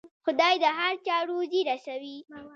خدای د هر چا روزي رسوي.